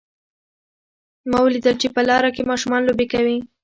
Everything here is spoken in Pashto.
ما ولیدل چې په لاره کې ماشومان لوبې کوي